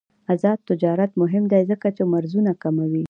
آزاد تجارت مهم دی ځکه چې مرزونه کموي.